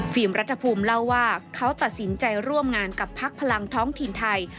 รัฐภูมิเล่าว่าเขาตัดสินใจร่วมงานกับพักพลังท้องถิ่นไทย